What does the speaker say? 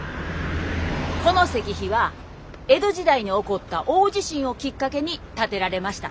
この石碑は江戸時代に起こった大地震をきっかけに建てられました。